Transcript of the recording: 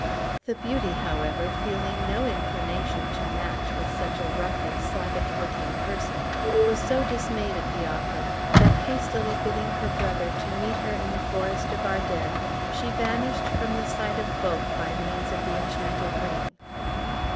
The beauty, however, feeling no inclination to match with such a rough and savage looking person, was so dismayed at the offer, that, hastily bidding her brother to meet her in the forest of Arden, she vanished from the sight of both by means of the enchanted ring.